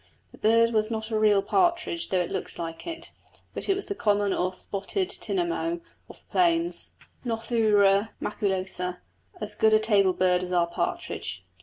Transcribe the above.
The bird was not a real partridge though it looks like it, but was the common or spotted tinamou of the plains, Nothura maculosa, as good a table bird as our partridge.